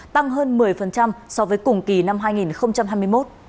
tăng hơn một mươi so với cùng kỳ năm hai nghìn hai mươi một